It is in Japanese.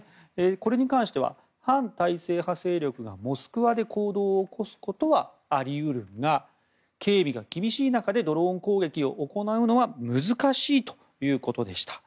これに関しては反体制派勢力がモスクワで行動を起こすことはあり得るが警備が厳しい中でドローン攻撃を行うのは難しいということでした。